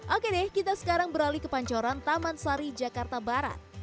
oke deh kita sekarang beralih ke pancoran taman sari jakarta barat